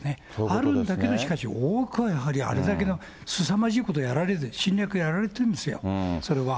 あるんだけど、しかし多くはやはりあれだけのすさまじいことやられてる、侵略をやられてるんですよ、それは。